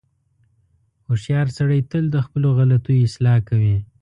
• هوښیار سړی تل د خپلو غلطیو اصلاح کوي.